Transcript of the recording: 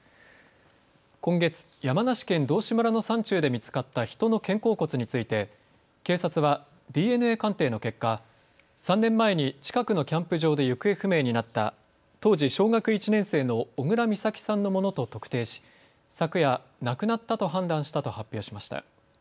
今月、山梨県道志村の山中で見つかった人の肩甲骨について警察はＤＮＡ鑑定の結果３年前に近くのキャンプ場で行方不明になった当時小学１年生の小倉美咲さんのものと特定し、昨夜亡くなったと判断したと発表しました。